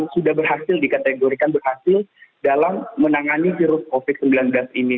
sudah berhasil dikategorikan berhasil dalam menangani virus covid sembilan belas ini